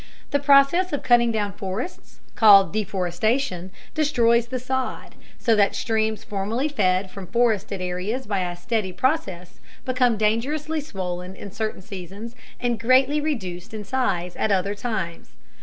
The process of cutting down forests, called deforestation, destroys the sod, so that streams formerly fed from forested areas by a steady process become dangerously swollen in certain seasons and greatly reduced in size at other times.